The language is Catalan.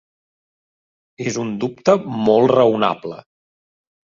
Es un dubte molt raonable.